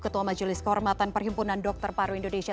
ketua majelis kehormatan perhimpunan dokter paru indonesia